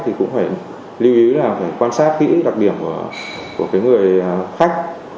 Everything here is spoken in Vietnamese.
thì cũng phải lưu ý là phải quan sát kỹ đặc điểm của người khách